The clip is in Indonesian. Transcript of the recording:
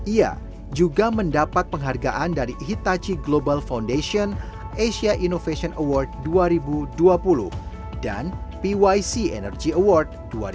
ia juga mendapat penghargaan dari itachi global foundation asia innovation award dua ribu dua puluh dan pyc energy award dua ribu dua puluh